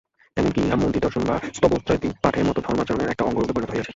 এমন কি ইহা মন্দিরদর্শন বা স্তবস্তোত্রাদি পাঠের মত ধর্মচারণের একটি অঙ্গরূপে পরিণত হইয়াছে।